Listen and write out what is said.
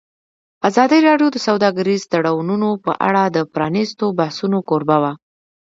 ازادي راډیو د سوداګریز تړونونه په اړه د پرانیستو بحثونو کوربه وه.